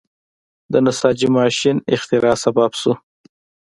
د نساجۍ ماشین اختراع سبب شو.